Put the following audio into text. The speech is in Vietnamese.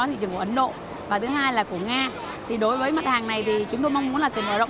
thị trường của ấn độ và thứ hai là của nga thì đối với mặt hàng này thì chúng tôi mong muốn là sẽ mở rộng